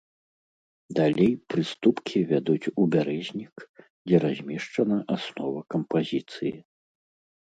Далей прыступкі вядуць у бярэзнік, дзе размешчана аснова кампазіцыі.